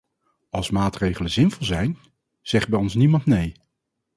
Als maatregelen zinvol zijn, zegt bij ons niemand nee.